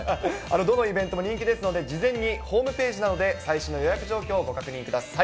どのイベントも人気ですので、事前にホームページなどで最新の予約状況をご確認ください。